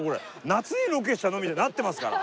夏にロケしたの？みたいになってますから。